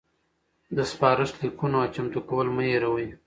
د سپارښت لیکونو چمتو کول مه هیروئ.